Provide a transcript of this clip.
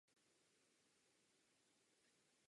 Blaine a Kurt se usmíří.